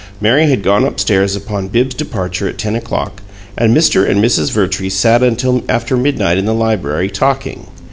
Mary had gone up stairs upon Bibbs's departure at ten o'clock, and Mr. and Mrs. Vertrees sat until after midnight in the library, talking.